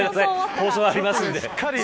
放送ありますんで。